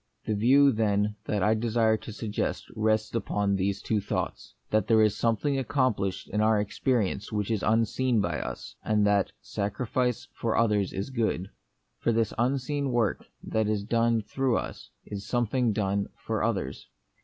The view, then, that I desire to suggest rests upon these two thoughts : that there is something accomplished in our experience which is unseen by us ; and that sacrifice for others is a good. For this unseen work that is done through us is something done for others.